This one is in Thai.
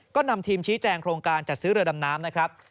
ก็นำทีมชี้แจงโครงการจัดซื้อเรือดำน้ำนะครับ